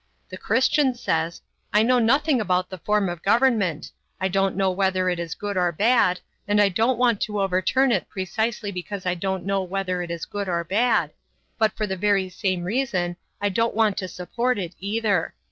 The Christian says: I know nothing about the form of government, I don't know whether it is good or bad, and I don't want to overturn it precisely because I don't know whether it is good or bad, but for the very same reason I don't want to support it either.